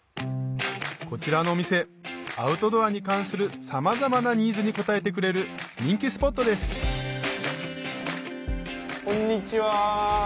こちらのお店アウトドアに関するさまざまなニーズに応えてくれる人気スポットですこんにちは。